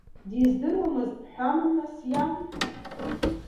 Диздыруамызт бҳәама, нас иаб?